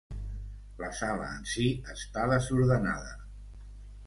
La sala en si està desordenada.